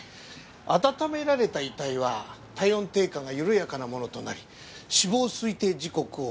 温められた遺体は体温低下が緩やかなものとなり死亡推定時刻をごまかせる。